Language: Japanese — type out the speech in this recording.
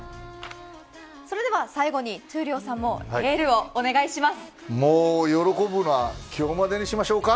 それでは最後に闘莉王さんももう喜ぶのは今日までにしましょうか。